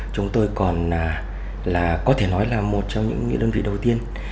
chúng tôi còn có thể nói là một trong những đơn vị đầu tiên